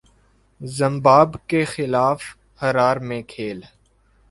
زمباب کے خلاف ہرار میں کھیل